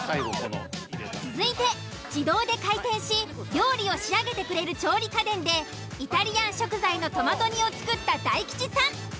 続いて自動で回転し料理を仕上げてくれる調理家電でイタリアン食材のトマト煮を作った大吉さん。